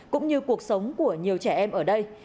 cũng như cuộc sống của các người